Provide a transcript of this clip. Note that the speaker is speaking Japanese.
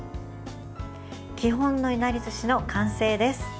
基本のいなりずしの完成です。